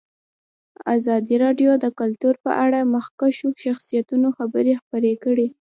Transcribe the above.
ازادي راډیو د کلتور په اړه د مخکښو شخصیتونو خبرې خپرې کړي.